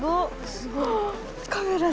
すごい。